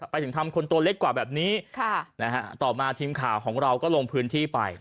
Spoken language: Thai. ไปถึงทำคนตัวเล็กกว่าแบบนี้ต่อมาทีมข่าวของเราก็ลงพื้นที่ไป